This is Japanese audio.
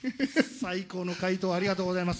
最高の回答ありがとうございます。